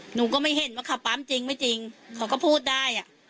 หนูก็ไม่เห็นว่าเขาปั๊มจริงไม่จริงเขาก็พูดได้